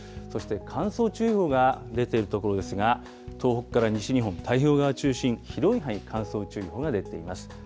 そして乾燥注意報が出ている所ですが、東北から西日本、太平洋側中心に広い範囲で乾燥注意報が出ています。